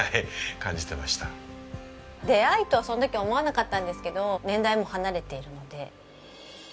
出会いとはその時は思わなかったんですけど年代も離れているので。